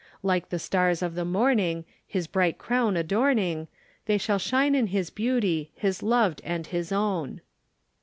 "Like the stars of the morning His bright crown adorning, They shall shine in His beauty His loved and His own."